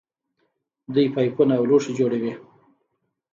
دوی پایپونه او لوښي جوړوي.